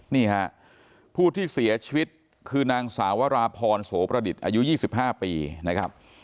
นี่ฮะผู้ที่เสียชีวิตคือนางสาวราพรโสประดิษฐ์อายุ๒๕ปีนะครับ